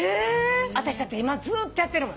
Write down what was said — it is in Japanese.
私だって今ずーっとやってるもん。